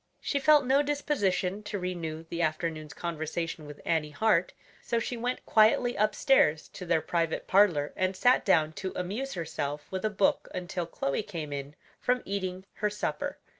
She felt no disposition to renew the afternoon's conversation with Annie Hart, so she went quietly upstairs to their private parlor and sat down to amuse herself with a book until Chloe came in from eating her supper.